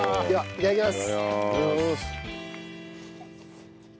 いただきます。